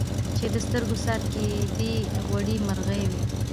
چي د سترګو څار کېدی غوړي مرغې وې